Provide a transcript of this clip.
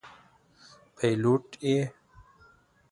پیلوټ یې.